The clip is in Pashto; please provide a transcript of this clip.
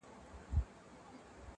جسمي ځواک